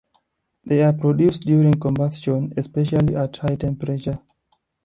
They are produced during combustion, especially at high temperature.